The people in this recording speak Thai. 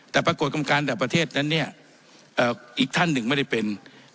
แต่ปรากฏกรรมการแต่ประเทศนั้นเนี่ยอีกท่านหนึ่งไม่ได้เป็น